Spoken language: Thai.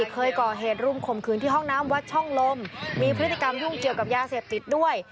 เคยก่อเหตุรุมข่มขืนที่ห้องน้ำวัดช่องลมมีพฤติกรรมยุ่งเกี่ยวกับยาเสพติดด้วย